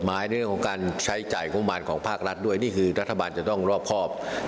อ่าฟังเสียงนายกหน่อยค่ะ